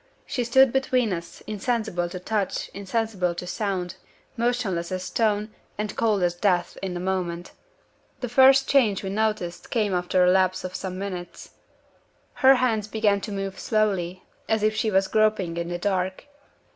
She stood between us, insensible to touch, insensible to sound; motionless as stone, and cold as death in a moment. The first change we noticed came after a lapse of some minutes. Her hands began to move slowly, as if she was groping in the dark.